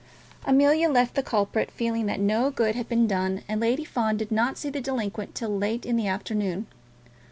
Amelia left the culprit, feeling that no good had been done, and Lady Fawn did not see the delinquent till late in the afternoon.